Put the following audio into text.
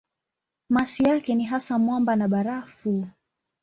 Masi yake ni hasa mwamba na barafu.